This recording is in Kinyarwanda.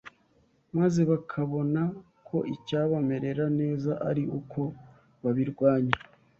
maze bakabona ko icyabamerera neza ari uko babirwanya,